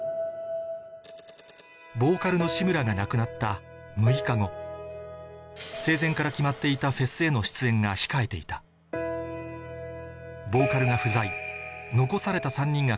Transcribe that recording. ボーカルの志村が生前から決まっていたフェスへの出演が控えていたボーカルが不在残された３人が